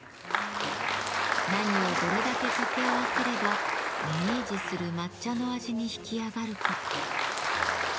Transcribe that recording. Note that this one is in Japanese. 何をどれだけ掛け合わせればイメージする抹茶の味に引き上がるか。